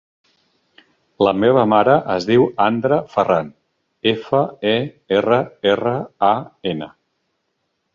La meva mare es diu Andra Ferran: efa, e, erra, erra, a, ena.